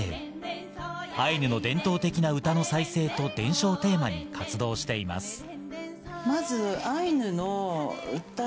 アイヌの伝統的な歌の再生と伝承をテーマに活動しています。